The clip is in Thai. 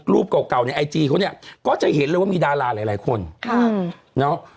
เก่าเก่าในไอจีเขาเนี่ยก็จะเห็นเลยว่ามีดาราหลายคนค่ะเนาะ